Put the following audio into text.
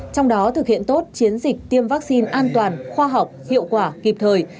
trong đó thực hiện tốt chiến dịch tiêm vaccine an toàn khoa học hiệu quả kịp thời